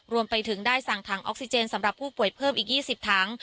รวมไปถึงได้สั่งถังออกซิเจนสำหรับผู้ป่วยเพิ่มอีก๒๐ถัง